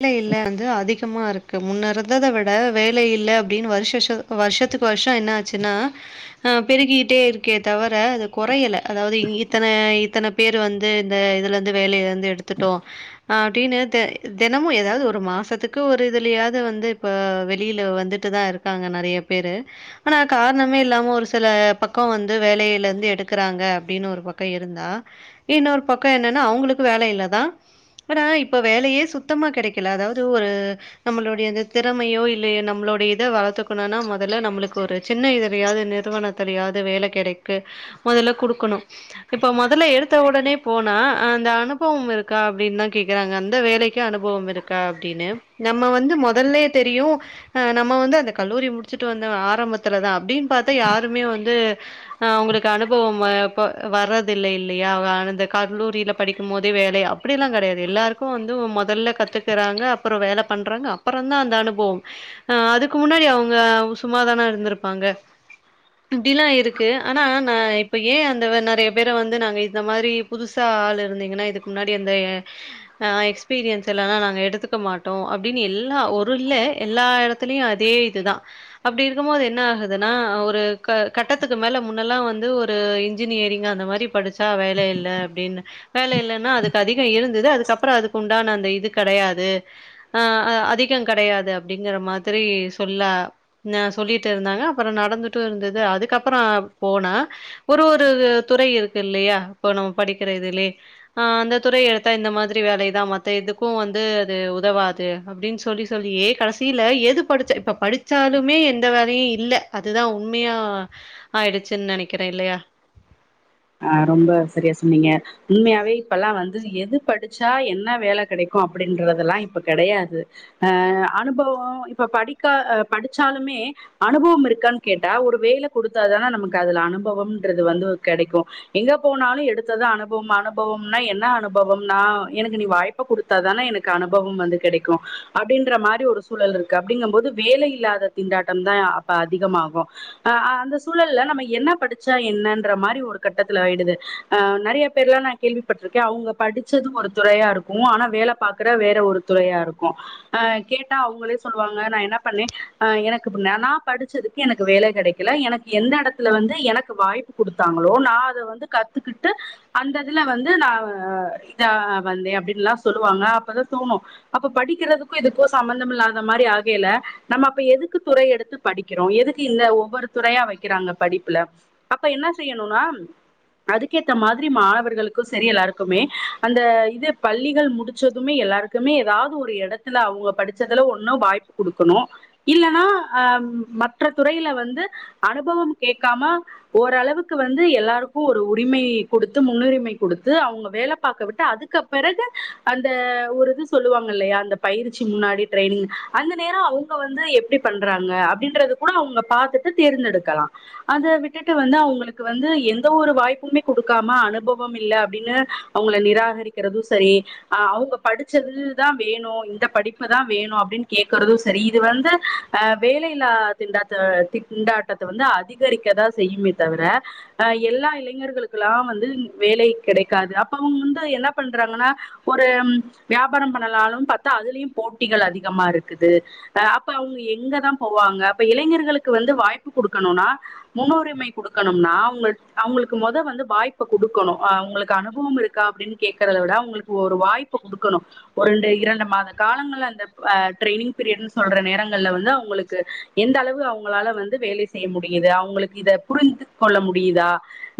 இல்ல இல்ல வந்து அதிகமா இருக்கு முன்னேற ந்தத விட வேலை இல்ல அப்டின்னு வருஷஷ வர்ஷத்துக்கு வர்ஷோ என்ன ஆச்சுனா ஆ பெருகிட்டே இருக்கே தவர அது கொறையல அதாவ்து இத்தன இத்தனப் பேரு வந்து இந்த இதுலருந்து வேலைல இருந்து எடுத்துட்டோ அப்டின்னு த தெனமு எதாவ்து ஒரு மாசத்துக்கு ஒரு இதுலயாவ்து வந்து இப்ப வெளில வந்துட்டு தா இருக்காங்க நெறைய பேரு ஆனா காரணமே இல்லாம ஒரு சில பக்கோ வந்து வேலையில இருந்து எடுக்குறாங்க அப்டினு ஒரு பக்க இருந்தா இன்னொரு பக்க என்னன்னா அவ்ங்களுக்கு வேல இல்லதா பட் ஆனா இப்ப வேலையே சுத் த்தமா கெடைக்கல அதாவ்து ஒரு நம்மளுடைய அந்த திறமையோ இல்லய நம்மளோட இத வளர்த்துக்கணுனா மொதல்ல நம்மளுக்கு ஒரு சின்ன இதுலயாவ்து நிறுவனத் த்துலயாது வேல கெடைக்கு மொதல்ல குடுக்கணு இப்ப மொதல்ல எடுத்த ஒடனே போனா ஆ இந்த அனுபவம் இருக்கா அப்டின் தா கேக்குறாங்க அந்த வேலைக் க்கு அனுபவம் இருக்கா அப்டின்னு நம்ம வந்து மொதல்லே தெரியு அ நம்ம வந்து அந்த கல்லூரி முடிச்சுட்டு வந்த ஆரம்பத்துலதா அப்டின்னு பாத்தா யாருமே வந்து ஆ அவங்களுக்கு அனுபவம் வர்றது இல்ல இல்லையா அந்த கல்லூரியில படிக்கு போதே வேலையா அப்டியெல்லா கெடையாது எல்லாருக்கு வந்து மொ முதல்ல கத்துக்குறாங்க அப்ரோ வேல பண்றாங்க அப்ரோ தா அந்த அனுபவம் அஹ அதுக்கு முன்னாடி அவுங்க சும்மாதானா இருந்திருப்பாங்க இப்டிலாம் இருக்கு ஆனா நா இப்ப ஏ அந்த நெறைய பேர வந்து நாங்க இந்த மாரி புதுசா ஆள் இருந்தீங்கன்னா இதுக்கு முன்னாடி அந்த ஆ எக்ஸ்பீரியன்ஸ் இல்லனா நாங்க எடுத்துக்க மாட்டோ அப்டின்னு எல்லா ஒரு இல்லை எல்லா இடத்துலயு அதே இதுதா அப்டி இருக்கு போது என்ன ஆகுதுனா ஒரு கட்டத்துக்கு மேல முன்னெல்லா வந்து ஒரு இன்ஜினியரிங் அந்த மாரி படிச்சா வேலை இல்ல அப்டின்னு வேலை இல்லைனா அதுக்கு அதிகோ இருந்தது அதுக்கப்பரோ அதுக்கு உண்டான அந்த இது கெடையாது அதிகோ கெடையாது அப்டிங்கிற மாரி சொல்ல ஆசொல்லிட்டு இருந்தாங்க அப்ரோ நடந்துட்டு இருந்தது அதுக்கப்பரோ போனே ஒரு ஒரு துறை இருக்கு இல்லையா இப்போ நம்ம படிக்கிற இதுலே ஆ அந்த துறை எடுத்தா இந்த மாதிரி வேலை மத்த இதுக்கு வந்து அது உதவாது அப்டின்னு சொல்லி சொல்லி ஏ கடைசியில எது படிச்ச இப்ப படிச் ச்சாலுமே எந்த வேலையு இல்ல அதுதா உண்மையா ஆயிருச்சுன்னு நெனைக்கிறே இல்லையா ஆ ரொம்ப சரியா சொன்னீங்க உண்மையாவே இப்பெல்லா வந்து எது படிச்சா என்ன வேல கெடைக்கு அப்டின்றதெல்லா இப்ப கெடையாது அஹ அனுபவோ இப்ப படிக்கா படிச்சாலுமே அனுபவம் இருக்கான்னு கேட்டா ஒரு வேலை கொடுத்தா தானே நமக்கு அதுல அனுபவம்ன்றது வந்து கெடைக்கு எங்க போனாலு எடுத்தத அனுபவம் அனுபவம்னா என்ன அனுபவம்னா அ எனக்கு நீ வாய்ப் கொடுத்தா தானே எனக்கு அனுபவம் வந்து கெடைக்கு அப்டின்ற மாரி ஒரு சூழல் இருக்கு அப்டிங்கு போது வேலை இல்லாத திண்டாட்டதா அப்ப அதிகமாகு அஹ அந்த சூழல்ல நம்ம என்ன படிச்சா என்னன்ற மாரி ஒரு கட்டத்துல ஆயிடுது நெறைய பேர்லா நா கேள்விப்பட்டிருக்கே அவங்க படிச்சது ஒரு துறையா இருக்கு ஆனா வேல பாக்கற வேற ஒரு துறையா இருக்கு அ கேட்டா அவங்களே சொல்லுவாங்க நா என்ன பண்ணே ஆ எனக்கு நா படிச்சது எனக்கு வேல கெடைக்கல எனக்கு எந்த இடத்துல வந்து எனக்கு வாய்ப்பு கொடுத்தாங் ங்களோ நா அத வந்து கத்துக்கிட்டு அந்ததுல வந்து நா இதா வந்தே அப்டின்னுல்லா சொல்லுவாங்க அப்பதா தோணு அப்ப படிக்கிறதுக்கு இதுக்கோ சம்பந்தம் இல்லாத மாரி ஆகைல நம்ம அப்ப எதுக்கு துறை எடுத்து படிக்கிறோ எதுக்கு இந்த ஒவ்வொரு துறையா வைக்கிறாங்க படிப்ல அப்ப என்ன செய்யணுனா அதுக்கேத்த மாதிரி மாணவர்களுக்கு சரி எல்லாருக்குமே அந்த இது பள்ளிகள் முடிச்சதுமே எல்லாருக்கு க்குமே ஏதாவது ஒரு எடத்துல அவங்க படிச்சதுல ஒண்ணு வாய்ப்பு குடுக்கணு இல்லனா அ மற்ற துறையில வந்து அனுபவம் கேக்காம ஓரளவுக் க்கு வந்து எல்லாருக்கு ஒரு உரிமையை கொடுத்து முன்னுரிமை கொடுத்து அவங்க வேல பாக்க விட்டு அதுக்கு க பிறகு அந்த ஒரு இது சொல்லுவாங்கல்லையா அந்த பயிற்சி முன்னாடி ட்ரைனிங் அந்த நேரம் அவங்க வந்து எப்படி பண்றாங்க அப்படின்றது கூட அவங்க பாத்துட்டு தேர்ந்தெடுக்கலா அத விட்டுட்டு வந்து அவங்களுக்கு வந்து எந்த ஒரு வாய்ப்புமே கொடுக்காம அனுபவம் இல்ல அப்படின்னு அவங்கள நிராகரிக்கிறதும் சரி அ அவங்க படிச்சதுதா வேணு இந்த படிப்புதான் வேணு அப்படின்னு கேக்குறதும் சரி இது வந்து வேலையில்லா திண்டாத்த திண்டாட்டத்த வந்து அதிகரிக்கதா செய்யுமே தவர அ எல்லா இளைஞர்களுக்கெல்லாம் வந்து வேல கிடைக்காது அப்ப அவங்க வந்து என்ன பண்றாங்கன்னா ஒரு வியாபாரம் பண்ணலானு பாத்தா அதுலயு போட்டிகள் அதிகமா இருக்குது அ அப்ப அவுங்க எங்கதா போவாங்க அப்ப இளைஞர்களுக்கு வந்து வாய்ப்பு குடுக்கணுனா முன்னுரிமை குடுக்கணு ம்னா அவுங் அவுங்ளுக்கு மொத வந்து வாய்ப்ப குடுக்கணு அவுங்களுக்கு அனுபவம் இருக்கா அப்டின் கேக்கறத விட அவுங்களுக்கு ஒரு வாய்ப்பு குடுக்கணு ஒன்று இரண்டு மாத காலங்கள்ல அந்த ஆ ட்ரெய்னிங் பீரியட்னு சொல்ற நேரங்கள்ல வந்து அவுங்களுக்கு எந்த அளவு அவுங்களால வந்து வேலை செய்ய முடியுது அவுங்களுக்கு இத புரிந்து கொள்ள முடியுதா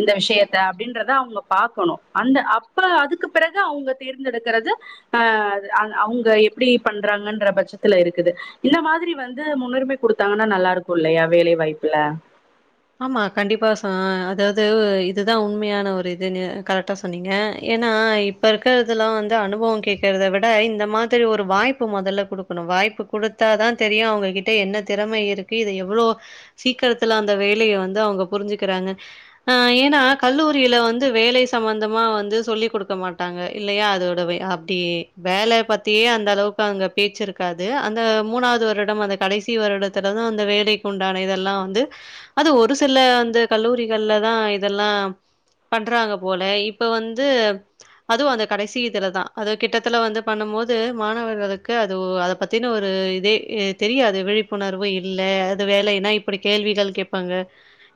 இந்த விஷயத்த அப்டின்றத அவுங்க பாக்கணு அந்த அப்ப அதுக்கு பிறகு அவுங்க தேர்ந்தெடுக்கறது அ அத அ அவுங்க எப்டி பண்றாங்கன்ற பட்சத்துல இருக்குது இந்த மாதிரி வந்து முன்னுரிமை குடுத்தாங்கன்னா நல்லாருக்கு இல்லையா வேலை வாய்ப்புல ஆமா கண்டிப்பா ச அதாவது இதுதா உண்மையான ஒரு இதுனு கரெக்டா சொன்னீங்க ஏன்னா இப் இப்ப இருக்கிறதுல வந்து அனுபவ கேட்கறத விட இந்த மாதிரி ஒரு வாய்ப்பு மொதல்ல குடுக்கணு வாய்ப்பு குடுத்தாதா தெரியு அவுங்ககிட்ட என்ன திறம இருக்கு இத எவ்ளோ சீக்கிரத்துல அந்த வேலய வந்து அவுங்க புருஞ்சுக்கிறாங்க ஆ ஏனா கல்லூரியில வந்து வேல சம்பந்தமா வந்து சொல்லி் குடுக்க மாட்டாங்க இல்லையா அதோடவே அ ப்டி வேல பத்தியே அந்த அளவுக்கு அங்க பேச்சுருக்காது அந்த மூணாவது வருடம் அந்த கடைசி வருடத்துல தா அந்த வேலைக்கு உண்டான இதெல்லா வந்து அது ஒரு சில அந்த கல்லூரிகள்ல தா இதெல்லா பண்றாங்க போல இப்ப வந்து அதுவு அந்த கடைசி இதுல தா அது கிட்டத்தல வந்து பண்ணும் போது மாணவர்களுக்கு அது அத பத் தினு ஒரு இதே எ தெரியாது விழிப்புணர்வு இல்ல அது வேலைன்னா இப்படி கேள்வி கள் கேப்பாங்க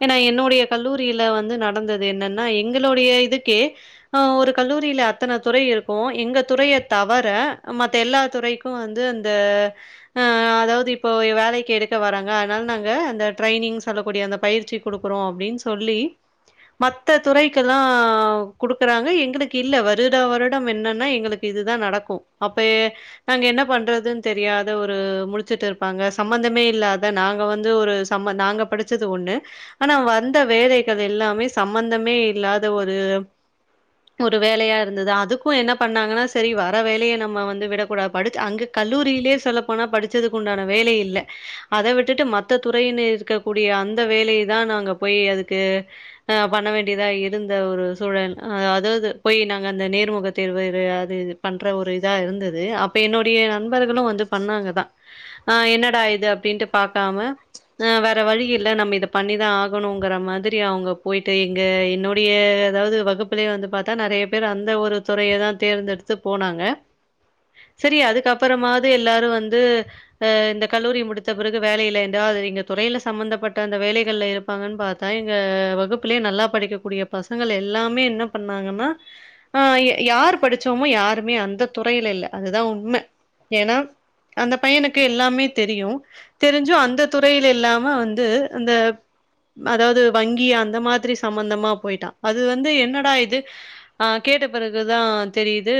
ஏன்னா என்னுடைய கல்லூரில வந்து நடந்தது என்னன்னா எங்களோடைய இதுக்கே அ ஒரு கல்லூரில அத்தன துறை இருக்கு எங்க துறைய தவர மத்த எல்லா துறைக் கு வந்து அந்த ஆ அதாவது இப்போ வேலைக்கு எடுக்க வராங்க அதனால நாங்க அந்த ட்ரைனிங் சொல்லக்கூடிய அந்த பயிற்சி குடுக்றோ அப்டின் சொல்லி மத்த துறைக்கெல்லா குடுக்கறாங்க எங்களுக்கு இல்ல வருட வருடம் என்னன்னா எங்களுக்கு இதுதா நடக்கு அப்ப நாங்க என்ன பண்றதுன் தெரியாத ஒரு முழுச்சுட்ருப்பாங்க சம்பந்தமே இல்லாத நாங்க வந்து ஒரு சம்ம நாங்க படிச்சது ஒன்னு ஆனா வந்த வேலைகள் எல்லாமே சம்பந்தமே இல்லாத ஒரு ஒரு வேலையா இருந்தது அதுக்கு என்ன பண்ணாங்கன்னா சரி வர வேலய நம்ம வந்து விடக்கூடா படிச் அங்கு கல்லூரிலேயே சொல்லப்போனா படிச்சதுக்கு உண்டான வேலை இல்ல அத விட்டுட்டு மத்த துறைனு இருக்கக்க கூடிய அந்த வேலைய தா நாங்க போய் அதுக்கு அ பண்ண வேண்டியதா இருந்த ஒரு சூழல் அதாவது போய் நாங்க அந்த நேர்முக தேர்வு இரு அது இது பண்ற ஒரு இதா இருந்தது அ ப்ப என்னுடைய நண்பர்களு வந்து பண்ணாங்கதா ஆ என்னடா இது அப்டின்ட்டு பாக்காம ஆ வேற வழி இல்ல நம்ம இத பண்ணிதா ஆகணுங்கற மாதிரி அவுங்க போயிட்டு எங்க என் னுடைய அதாவது வகுப்பிலயே வந்து பாத்தா நெறைய பேர் அந்த ஒரு துறைய தா தேர்ந்தெடுத்து போனாங்க சரி அதுக்கப்பறமாவ்து எல்லாரு வந்து அ இந்த கல்லூரி முடித்த பிறகு வேல இல்ல என்று ஆதரி இங்க துறைல சம்பந்தப்பட்ட அந்த வேலைகள்ள இருப்பாங்கன் பாத்தா எங்க வகுப்பிலே நல்லா படிக்கக்கூடிய பசங்கள எல்லாமே என்ன பண்ணாங்கன்னா ஆ யா யாரு படிச்சோமோ யாருமே அந்த துறைல இல்ல அதுதா உண்ம ஏன்னா அந்த பையனுக்கு எல்லாமே தெரியு தெருஞ்சு அந்த துறைல இல்லாம வந்து அந்த அதாவது வங்கி அந்த மாதிரி சம்பந்தமா போயிட்டா அது வந்து என்னடா இது ஆ கேட்ட பிறகுதா தெரியுது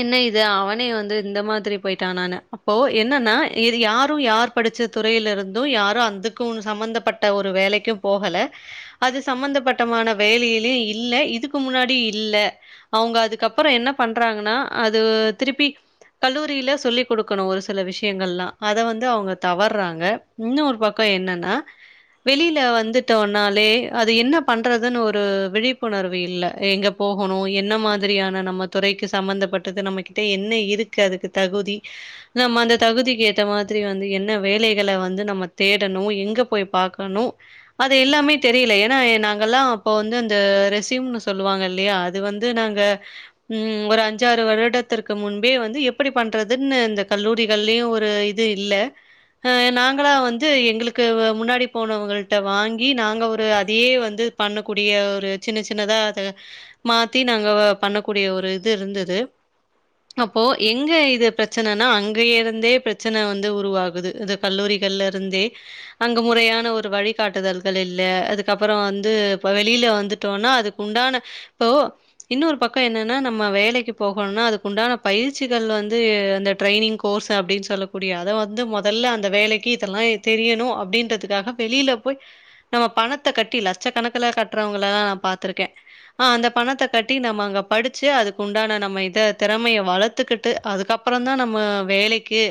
என்ன இது அவனே வந்து இந்த மாதிரி போயிட்டானானு அப்போ என்னன்னா வேறு யாரு யார் படிச்சது துறைல இருந்து யாரு அதுக்குன் சம்பந்தப்பட்ட ஒரு வேலைக்கு போகல அது சம்பந்தப்பட்டமான வேலையிலே இல்ல இதுக்கு முன்னாடி இல்ல அவுங்க அதுக்கப்றோ என்ன பண்றாங்கன்னா அது திருப்பி கல்லூரில சொல்லி குடுக்கணு ஒரு சில விஷயங்கள்லா அத வந்து அவுங்க தவற் விட்டுறாங்க இன்னோரு பக்கோ என்னன்னா வெளில வந்துட்டோனாலே அது என்ன பண்றதுன்னு ஒரு விழிப்புணர்வு இல்ல எங்க போகணு என்ன மாதிரியான நம்ம துறைக்கு சம்பந்தப்பட்டது நம்ம கிட்ட என்ன இருக்கு அதுக்கு தகுதி நம்ம அந்த தகுதிக்கு ஏத்த மாதிரி வந்து என்ன வேலைகள வந்து நம்ம தேடணு எங்க போய் பாக்கணு அது எல்லாமே தெரியல ஏன்னா நாங்கல்லா அப்போ வந்து அந்த ரெசீம்னு சொல்லுவாங்க இல்லையா அது வந்து நாங்க ம் ஒரு அஞ்சாறு வருடத்திற்கு முன்பே வந்து எப்டி பண்றதுன்னு இந்த கல்லூரிகள்லேயு ஒரு இது இல்ல அ நாங்களா வந்து எங்களுக்கு முன்னாடி போனவங்கள்ட்ட வாங்கி நாங்க ஒரு அதே வந்து பண்ணக்கூடிய ஒரு சின்ன சின்னதா அத மாத்தி நாங்க பண்ணக்கூடிய ஒரு இது இருந்தது அப்போ எங்க இது பிரச்சனனா அங்கே இருந்தே பிரச்சன வந்து உருவாகுது இது கல்லூரிகள்லருந்தே அங்க முறையான ஒரு வழிகாட்டுதல்கள் இல்ல அதுக்கப்புறோ வந்து இப்ப வெளில வந்துட்டோனா அது உண்டான இப்போ இன்னொரு பக்க என்னன்னா நம்ம வேலைக்கு போகணுனா அதுக்கு உண்டான பயிற்சிகள் வந்து அந்த ட்ரைனிங் கோர்ஸ் அப்டின் சொல்லக்கூடிய அத வந்து மொதல்ல அந் இந்த வேலைக்கு இதெல்லா தெரியணு அப்டின்றதுக்காக வெளில போய் நம்ம பணத்த கட்டி லட்சக்கணக்குல கட்றவங்கலலா பாத்துருக்கே ஆ அந்த பணத்த கட்டி நம்ம அங்க படிச்சு அதுக்கு உண்டான நம்ம இத திறமைய வளத் துகிட்டு அதுக்கப்றோ தா நம்ம வேலைக்கு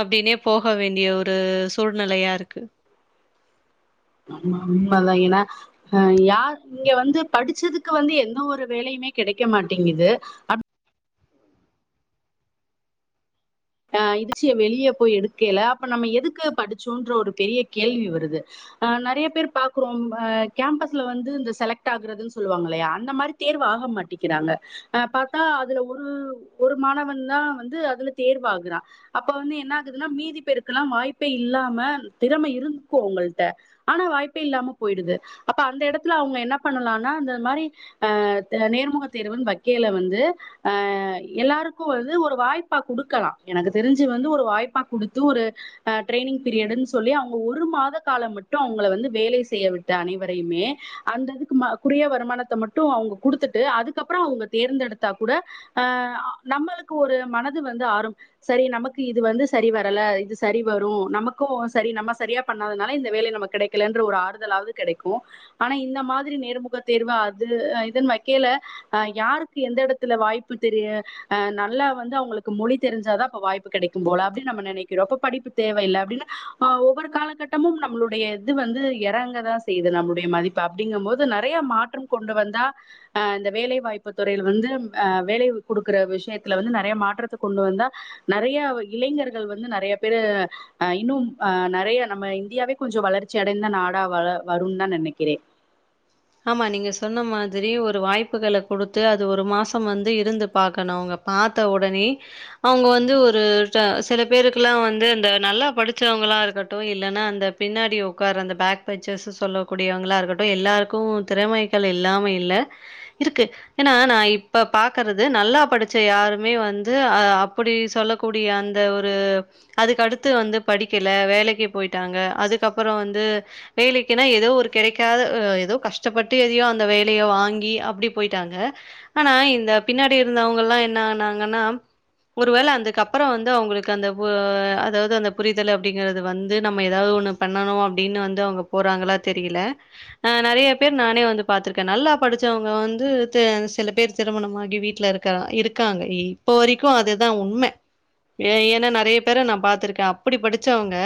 அப்டின்னே போக வேண் டிய ஒரு சூழ்நிலையா இருக்கு ஆமா உண்மதா ஏன்னா அ யார் இங்க வந்து படிச்சதுக்கு வந்து எந்த ஒரு வேலையுமே கெடைக்க மாட்டேங்குது அப் அ இதிச்சிய வெளிய போய் எடுக்கேயில அப்ப நம்ம எதுக்கு படிச்சோன்ற ஒரு பெரிய கேள்வி வருது அ நெறையா பேர் பாக்குறோ அ கேம்பஸ்ல வந்து இந்த செலக்ட் ஆகுறதுன்னு சொல்லுவாங்க இல்லயா அந்த மாறி தேர்வ் ஆக மாட்டிக்கிறாங்க அ பாத்தா அதுல ஒரு ஒரு மாணவன் தா வந்து அதுல தேர்வாகுறா அப்ப வந்து என்ன ஆகுதுன்னா மீதி பேருக்ல்லா வாய்ப்பே இல்லாம திறமை இருந் இருக்கு ஒங்கள்ட்ட ஆனா வாய்ப்பே இல்லாம போயிடுது அப்ப அந்த எடத்துல அவுங்க என்ன பண்ணலானா இந்த மாறி அ த நேர்முக தேர்வுனு வக்கேல வந்து அ எல்லாருக்கு வந்து ஒரு வாய்ப்பா குடுக்கலா எனக்கு தெரிஞ்சு வந்து ஒரு வாய்ப்பா குடுத்து ஒரு அ ட்ரைனிங் பீரியடுன் சொல்லி அவுங்க ஒரு மாத காலம் மட்டும் அவுங்கள வந்து வேலை செய்ய விட்டு அனைவரையுமே அந்த இதுக்கு ம குறிய வருமானத்த மட்டு அவுங்க குடுத்துட்டு அதுக்கப்புறோ அவுங்க தேர்ந்தெடுத்தா கூட அ நம்மளுக்கு ஒரு மனது வந்து ஆறும் சரி நமக்கு இது வந்து சரி வரல இது சரி வரு நமக்கூ சரி நம்ம சரியா பண்ணாதுனால இந்த வேலை நமக் கெடை கிலன்ற ஒரு ஆறுதலாவ்து கெடைக்கு ஆனா இந்த மாதிரி நேர்முக தேர்வு அது இதுன் வக்கேல அ யாருக்கு எந்த எடத்துல வாய்ப்பு தெரியு அ நல்லா வந்து அவுங்களுக்கு மொழி தெரிஞ்சாதா வாய்ப்பு கெடைக்கும் போல அப்டின் நெனைக்கிறோ அப்ப படிப்பு தேவையில்ல அப்டின்னு ஆ ஒவ்வொரு காலக்கட் டமும் நம்முளுடைய இது வந்து எறங்கதா செய்யுது நம்ளுடைய மதிப்பு அப்டிங்குமோது நெறைய மாற்றம் கொண்டு வந்தா அ இந்த வேலைவாய்ப்பு துறைல வந்து அ வேலை குடுக்குற விஷியத்துல வந்து நெறைய மாற்றத்த கொண்டு வந்தா நெறையா இளைஞர்கள் வந்து நெறைய பேரு அ இன்னும் ஆ நெறையா நம்ம இந்தியாவே கொஞ்சோ வளர்ச்சி அடைந்த நாடா வள வருன்தா நெனைக்கிறே ஆமா நீங்க சொன்ன மாதிரி ஒரு வாய்ப்புகள குடுத்து அது ஒரு மாசம் வந்து இருந்து பாக்கணு அவ்ங்க பாத்த உடனே அவ்ங்க வந்து ஒரு ச சில பேருக்குலா வந்து அந்த நல்லா படிச்சவங்களா இருக்கட்டு இல்லனா அந்த பின்னாடி உக்கார அந்த பேக் பேஞ்சர்ஸு சொல்லக்கூடியவங்களா இருக்கட்டு எல்லார் க்கு திறமைகள் இல்லாம இல்ல இருக்கு ஏனா நான் இப்ப பாக்கறது நல்லா படிச்ச யாருமே வந்து ஆ அப்புடி சொல்ல கூடிய அந்த ஒரு அதுக்கடுத்து வந்து படிக்கில வேலைக்கு போய்ட்டாங்க அதுக்கப்புறோ வந்து வேலைக்குனா எதோ ஒரு கெடைக்காத அ எதோ கஷ்டப்பட்டு எதையோ அந்த வேலைய வாங்கி அப்டி போய்ட்டாங்க ஆனா இந்த பின்னாடி இருந்தவ்ங்கல்லா என்ன ஆனாங்கனா ஒருவேல அந்துக்கப்புறோ வந்து அவுங்குளுக்கு அந்த ஓ அதாவ்து அந்த புரிதலு அப்டிங்கறது வந்து நம்ம எதாவ்து ஒன்னு பண்ணனு அப்டின் வந்து அவ்ங்க போறாங்களா தெரில ஆ நெறைய பேர் நானே வந்து பாத்திருக்க நல்லா படிச்சவ்ங்க வந்து தே சில பேர் திருமணமாகி வீட்ல இருக்கறா இரு க்காங்க இப்ப வரைக்கு அதுதா உண்ம ஏ ஏனா நெறைய பேர நான் பாத்திருக்க அப்புடி படிச்சவங்க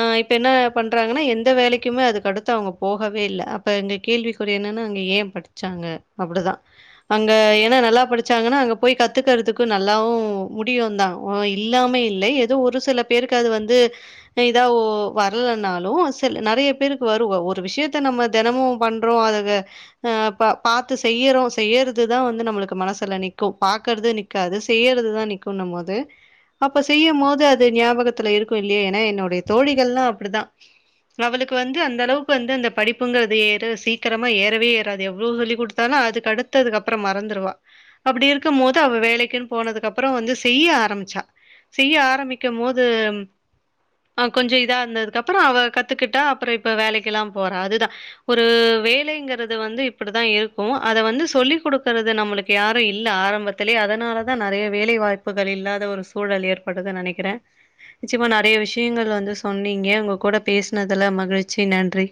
ஆ இப்ப என்ன பண்றாங்கனா எந்த வேலைக்குமே அதுக்கடுத்து அவ்ங்க போகவே இல்ல இப்ப இங்க கேள்விக்குறி என்னனா அவ்ங்க ஏன் படிச்சாங்க அப்புடுதா அங்க ஏனா நல்லா படிச்சாங்கனா அங்க போய் கத்துக்கறதுக்கு நல்லாவு முடியுந்தா ஓ இல்லாமே இல்லை எதோ ஒரு சில பேருக்கு அது வந்து எதாவு வர்லனாலு சில்லு நெறைய பேருக்கு வரு வ ஒரு விஷ்யத்த நம்ம தெனமு பண்றோ அதுக்கு அ பா பாத்து செய்யுறோ செய்யறுதுதா வந்து நம்மளுக்கு மனசுல நிக்கூ பாக்கறது நிக் காது செய்யறதுதா நிக்குன்னமோது அப்ப செய்யுமோது அது ஞாபகத்துல இருக்கு இல்லையா ஏனா என்னுடைய தோழிகள்லா அப்டிதா அவளுக்கு வந்து அந்த அளவுக்கு வந்து அந்த படிப் புங்கறது ஏற சீக்கிரமா ஏறவே ஏறாது எவ்ளவு சொல்லி குடுத்தாலு அதுக்கடுத்து அதுக்கப்புறோ மறந்துருவா அப்புடி இருக்குமோது அவ வேலைக்குன் போனதுக்கப்புறோ வந்து செய்ய ஆரமிச்சா செய்ய ஆரமிக்கமோது ம் ஆ கொஞ்சோ இதா இருந்ததுக்கப்புறோ அவ கத்துக்கிட்டா அப்புறோ இப்ப வேலைக்கெலா போறா அதுதா ஒரு வேலைங்கிறது வந்து இப்புடுத்தா இருக்கு அத வந்து சொல்லி் குடுக்கறது நம்மளுக் கு யாரு இல்ல ஆரம்பத்திலே அதனாலதா நெறைய வேலை வாய்ப்புகள் இல்லாத ஒரு சூழல் ஏற்படுது நெனைக்கிற நிச்சய்மா நெறைய விஷியங்கள் வந்து சொன்னீங்க உங்க கூட பேசனதுல மகிழ்ச்சி நன்றி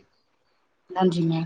நன்றிங்க